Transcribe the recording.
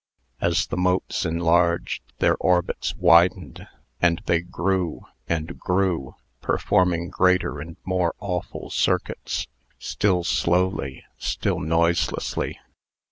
As the motes enlarged, their orbits widened. And they grew and grew, performing greater and more awful circuits still slowly, still noiselessly.